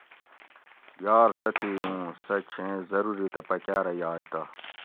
یار تتھی اُوں سٞہ چھیں ضرورِتہ پکاٞرہ یائ تہ